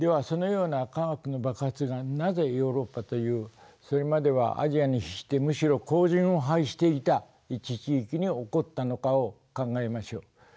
そのような科学の爆発がなぜヨーロッパというそれまではアジアに比してむしろ後じんを拝していた一地域に起こったのかを考えましょう。